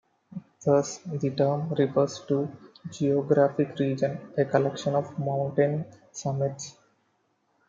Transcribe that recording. Thus the term refers to a geographic region; a collection of mountain summits.